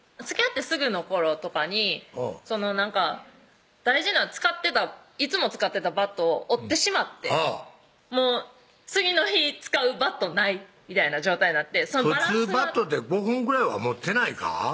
つきあってすぐの頃とかになんか大事な使ってたいつも使ってたバットを折ってしまってもう次の日使うバットないみたいな状態なって普通バットって５本ぐらいは持ってないか？